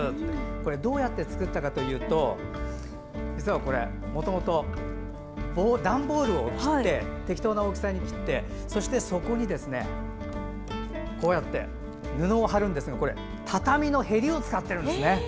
どうやって作ったかというと実はこれ段ボールを切って適当な大きさに切って、そこに布を貼るんですが、これ畳のヘリを使ってるんです。